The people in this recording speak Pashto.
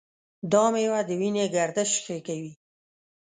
دا میوه د وینې گردش ښه کوي.